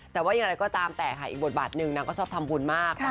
แต่ว่าอย่างไรก็ตามแต่ค่ะอีกบทบาทหนึ่งนางก็ชอบทำบุญมาก